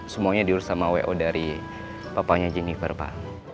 semuanya diurus sama wo dari papanya jennifer pak